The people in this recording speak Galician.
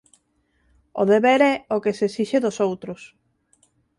O deber é o que se esixe dos outros.